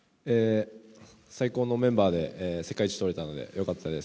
最高のメンバーで世界一とれたのでよかったです。